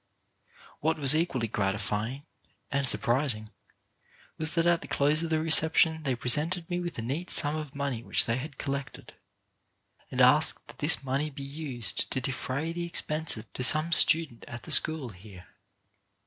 What was equally gratifying, and surprising, was that at the close of the reception they presented me with a neat sum of money which they had collected, and asked that this money be used to defray the expenses of some student at the school here.